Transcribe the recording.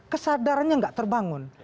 kesadarannya enggak terbangun